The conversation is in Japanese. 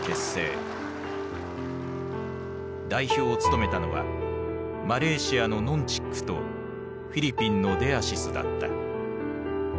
代表を務めたのはマレーシアのノン・チックとフィリピンのデアシスだった。